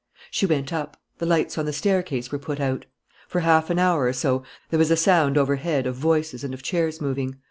She went up. The lights on the staircase were put out. For half an hour or so there was a sound overhead of voices and of chairs moving.